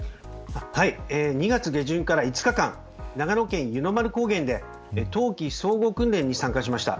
２月下旬から５日間長野県で冬季総合訓練に参加しました。